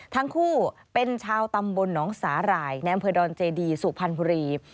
ทั้งคู่เป็นชาวตำบลหนองสาหร่ายในอำเภอดอนเจดีสุพรรณบุรี